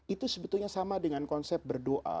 itu sebetulnya sama dengan konsep berdoa